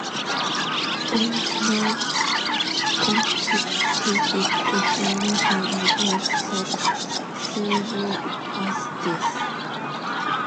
There is no competitive examination on earth so severe as this.